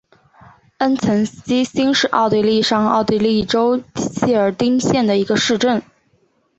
恩岑基兴是奥地利上奥地利州谢尔丁县的一个市镇。